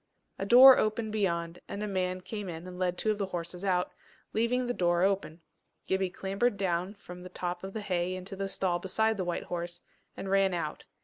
A door opened beyond, and a man came in and led two of the horses out, leaving the door open. Gibbie clambered down from the top of the hay into the stall beside the white horse, and ran out.